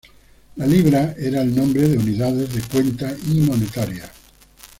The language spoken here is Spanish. La libra era el nombre de unidades de cuenta y monetarias.